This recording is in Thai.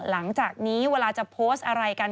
หลังจากนี้เวลาจะโพสต์อะไรกัน